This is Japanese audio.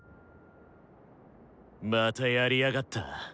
またやりやがった。